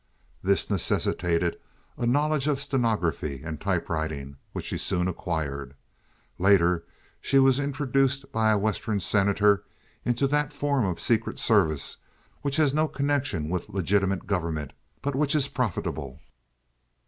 This necessitated a knowledge of stenography and typewriting, which she soon acquired. Later she was introduced by a Western Senator into that form of secret service which has no connection with legitimate government, but which is profitable.